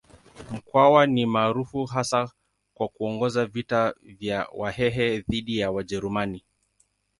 Mkwawa ni maarufu hasa kwa kuongoza vita vya Wahehe dhidi ya Wajerumani.